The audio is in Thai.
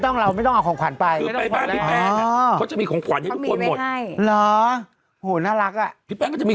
เขาเตรียมให้หมด